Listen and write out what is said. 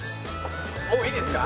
もういいですか？